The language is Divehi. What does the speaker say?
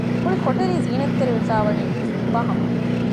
މުޅި ކޮޓަރި ޒީނަތްތެރި ވެފައިވަނީ ފުއްޕާހަމުން